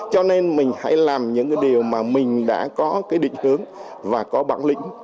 cho nên mình hãy làm những cái điều mà mình đã có cái định hướng và có bản lĩnh